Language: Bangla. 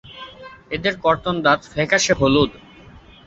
এদের কর্তন দাঁত ফ্যাকাসে হলুদ।